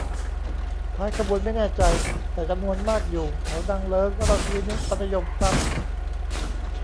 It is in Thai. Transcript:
ท้ายขบวนไม่แน่ใจ แต่จำนวนมากอยู่แถวนางเลิ้ง ราชวินิต มัธยม ครับ